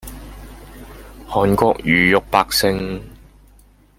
韓國魚肉百姓